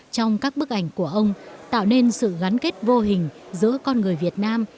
trong các bức ảnh của ông tạo nên sự gắn kết vô hình giữa con người việt nam